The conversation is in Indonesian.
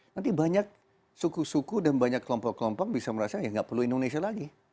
nanti banyak suku suku dan banyak kelompok kelompok bisa merasa ya nggak perlu indonesia lagi